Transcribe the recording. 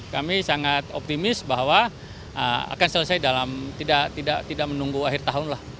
kami sangat optimis bahwa akan selesai dalam tidak menunggu akhir tahun lah